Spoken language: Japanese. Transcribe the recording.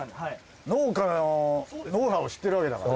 農家のノウハウを知ってるわけだから。